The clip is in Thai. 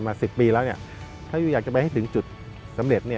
๑๐ปีแล้วถ้ายูอยากจะไปให้ถึงจุดสำเร็จ